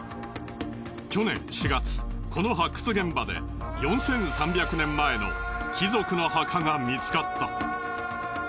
去年４月この発掘現場で４３００年前の貴族の墓が見つかった。